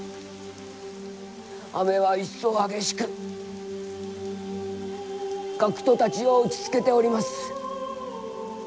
雨は一層激しく学徒たちを打ちつけております。